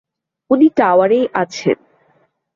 উনি টাওয়ারেই আছেন।